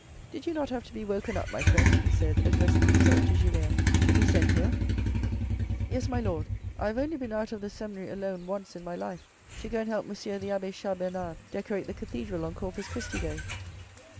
Did you not have to be woken up, my friend," he said, addressing himself to Julien. " To be sent here ?"" Yes, my Lord. I have only been out of the seminary alone once in my life to go and help M. the abbe Chas Bernard decorate the cathedral on Corpus Christi day.